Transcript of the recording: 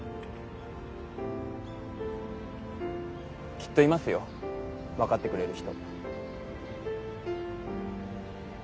きっといますよ分かってくれる人。